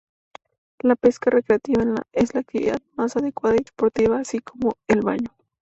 La pesca recreativa es la actividad más adecuada y deportiva así como el baño.